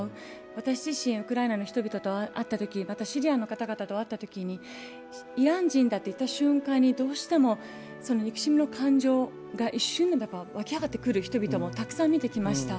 私自身ウクライナの人々と会ったとき、またシリアの方々と会ったときにイラン人だと言った瞬間にどうしても憎しみの感情が一瞬、湧き上がってくる人々もたくさん見てきました。